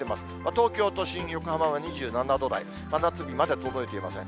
東京都心、横浜は２７度台、真夏日まで届いていません。